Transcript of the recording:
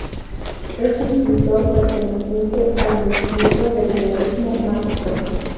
Es un pintor perteneciente al movimiento del "realismo mágico".